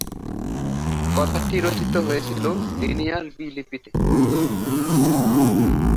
কথাটি রচিত হয়েছিল লিনিয়ার বি লিপিতে।